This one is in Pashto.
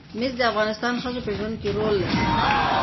مس د افغان ښځو په ژوند کې رول لري.